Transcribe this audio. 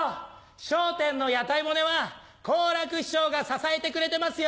『笑点』の屋台骨は好楽師匠が支えてくれてますよ。